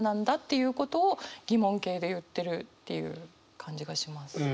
いうことを疑問形で言ってるっていう感じがします。